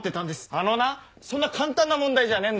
あのなそんな簡単な問題じゃねえんだよ。